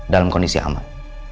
dalam kondisi aman